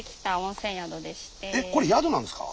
えっこれ宿なんですか？